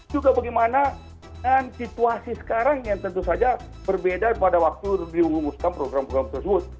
juga bagaimana dengan situasi sekarang yang tentu saja berbeda pada waktu diumumkan program program tersebut